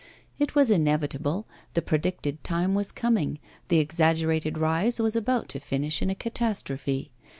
It was inevitable, the predicted time was coming, the exaggerated rise was about to finish in a catastrophe.